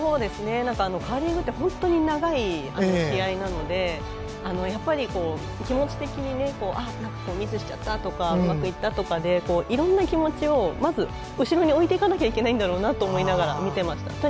カーリングって本当に長い試合なのでやっぱり、気持ち的にミスしちゃったとかうまくいったとかでいろんな気持ちをまず後ろに置いていかなきゃいけないんだなと思いながら見ていました。